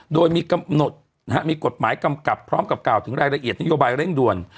โดยมีกำหนดมีกฎหมายกำกับพร้อมกับกล่าวถึงรายละเอียดนโยบายเร่งด่วน